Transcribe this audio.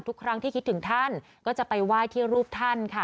ทุกครั้งที่คิดถึงท่านก็จะไปไหว้ที่รูปท่านค่ะ